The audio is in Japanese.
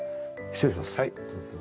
失礼します。